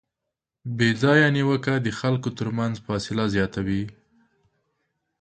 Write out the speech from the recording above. بېځایه نیوکه د خلکو ترمنځ فاصله زیاتوي.